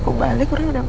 ketauanaret ibu ru setup